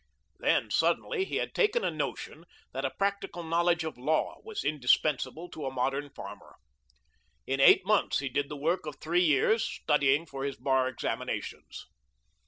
Then suddenly he had taken a notion that a practical knowledge of law was indispensable to a modern farmer. In eight months he did the work of three years, studying for his bar examinations.